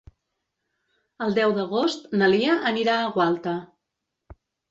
El deu d'agost na Lia anirà a Gualta.